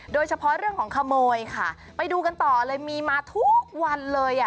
โดยเฉพาะเรื่องของขโมยค่ะไปดูกันต่อเลยมีมาทุกวันเลยอ่ะ